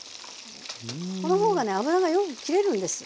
この方がね油がよく切れるんです。